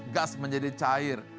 gas menjadi cair